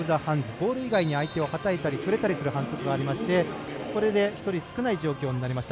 ボール以外に相手をはたいたり触れたりする反則がありましてこれで、１人少ない状況になりました。